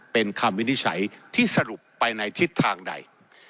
เป็นคำวินิจฉัยที่สรุปไปในทิศทางใด